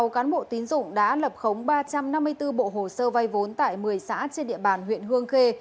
sáu cán bộ tín dụng đã lập khống ba trăm năm mươi bốn bộ hồ sơ vai vốn tại một mươi xã trên địa bàn huyện hương khê